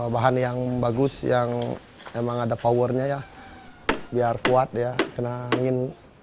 bahan yang bagus yang emang ada powernya ya biar kuat ya kena angin